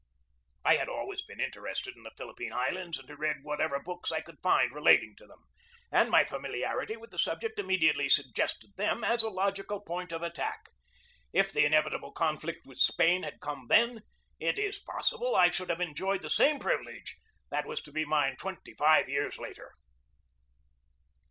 " I had always been interested in the Philippine Islands and had read whatever books I could find 146 GEORGE DEWEY relating to them, and my familiarity with the sub ject immediately suggested them as a logical point of attack. If the inevitable conflict with Spain had come then, it is possible that I should have enjoyed the same privilege that was to be mine twenty five years later.